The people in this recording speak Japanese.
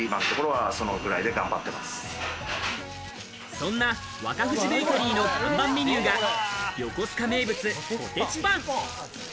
そんなワカフジベーカリーの看板メニューが横須賀名物ポテチパン。